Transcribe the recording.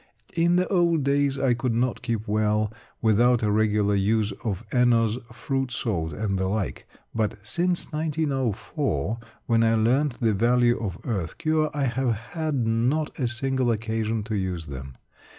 In the old days I could not keep well without a regular use of Eno's Fruit salt and the like. But, since 1904, when I learnt the value of earth cure, I have had not a single occasion to use them.